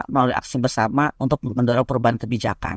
melalui aksi bersama untuk mendorong perubahan kebijakan